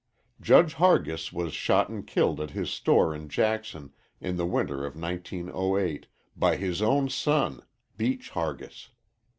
Judge Hargis was shot and killed at his store in Jackson in the winter of 1908 by his own son, Beach Hargis.